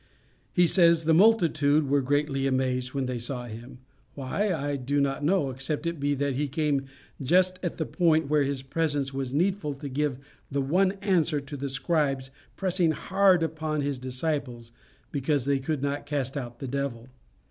He says the multitude were greatly amazed when they saw him why, I do not know, except it be that he came just at the point where his presence was needful to give the one answer to the scribes pressing hard upon his disciples because they could not cast out this devil.